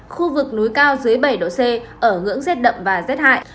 khu vực núi cao dưới bảy độ c ở ngưỡng dết đậm và dết hại